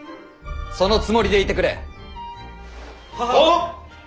そのつもりでいてくれ！ははっ！